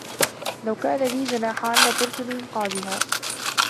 لو كان لي جناحان، لطرت لإنقاذها.